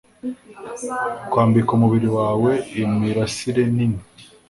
Kwambika umubiri wawe imirasire nini